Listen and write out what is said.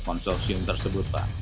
konsorsium tersebut pak